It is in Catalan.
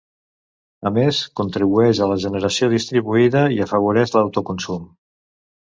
A més, contribueix a la generació distribuïda i afavoreix l'autoconsum.